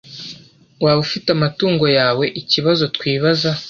Waba ufite amatungo yaweikibazo twibaza